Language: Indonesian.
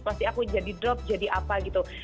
pasti aku jadi drop jadi apa gitu